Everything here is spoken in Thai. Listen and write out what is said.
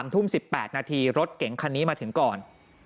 ทุ่ม๑๘นาทีรถเก๋งคันนี้มาถึงก่อน